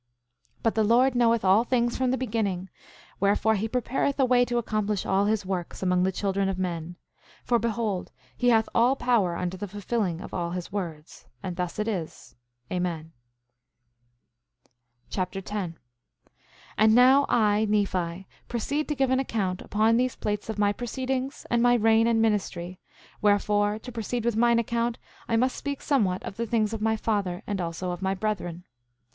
9:6 But the Lord knoweth all things from the beginning; wherefore, he prepareth a way to accomplish all his works among the children of men; for behold, he hath all power unto the fulfilling of all his words. And thus it is. Amen. 1 Nephi Chapter 10 10:1 And now I, Nephi, proceed to give an account upon these plates of my proceedings, and my reign and ministry; wherefore, to proceed with mine account, I must speak somewhat of the things of my father, and also of my brethren.